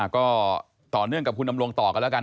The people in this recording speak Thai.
ก็ต่อเนื่องกับคุณดำรงต่อกันแล้วกัน